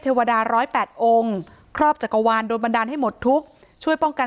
วดาร้อยแปดองค์ครอบจักรวาลโดนบันดาลให้หมดทุกข์ช่วยป้องกัน